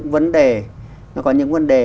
vấn đề nó có những vấn đề